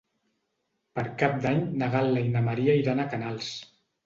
Per Cap d'Any na Gal·la i na Maria iran a Canals.